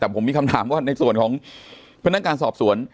แต่ผมมีคำถามว่าในส่วนของพนักงานสอบสวน